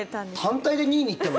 単体で２位に行ったの？